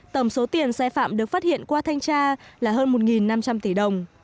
tổng số tiền sai phạm được phát hiện qua thanh tra là hơn một năm trăm linh tỷ đồng